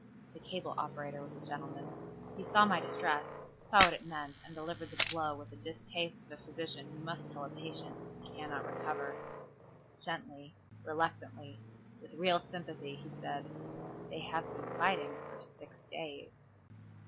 The cable operator was a gentleman. He saw my distress, saw what it meant and delivered the blow with the distaste of a physician who must tell a patient he cannot recover. Gently, reluctantly, with real sympathy he said, "They have been fighting for six days."